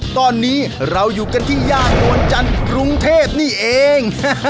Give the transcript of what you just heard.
ตอนนี้เราอยู่กันที่ย่านนวลจันทร์กรุงเทพนี่เอง